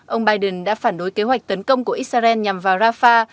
ông biden đã phản đối kế hoạch tấn công của israel nhằm vào rafah